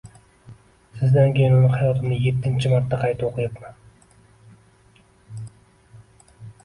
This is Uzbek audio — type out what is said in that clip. Sizdan keyin uni hayotimda yettinchi marta qayta o’qiyapman.